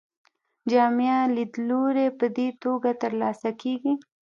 جامع لیدلوری په دې توګه ترلاسه کیږي.